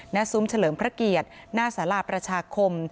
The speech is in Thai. ซุ้มเฉลิมพระเกียรติหน้าสาราประชาคม